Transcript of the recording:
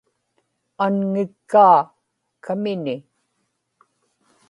anŋikkaa kamini